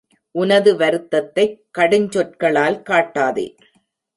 உனது வருத்தத்தைக் கடுஞ்சொற்களால் காட்டாதே.